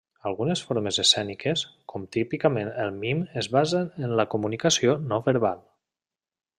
Algunes formes escèniques, com típicament el mim es basen en la comunicació no verbal.